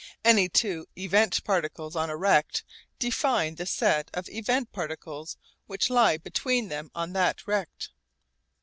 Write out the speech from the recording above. Any two event particles on a rect define the set of event particles which lie between them on that rect.